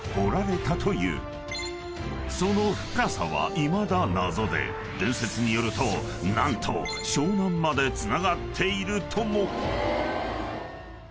［その深さはいまだ謎で伝説によると何と湘南までつながっているとも］